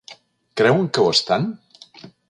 Creuen que ho estan?